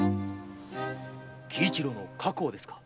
喜一郎の過去をですか？